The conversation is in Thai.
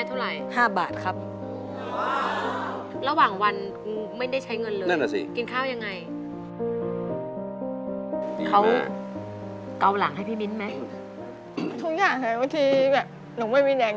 ทุกอย่างเลยบางทีแบบหนูไม่มีแรง